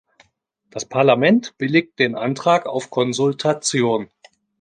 Das Parlament billigt den Antrag auf Konsultation.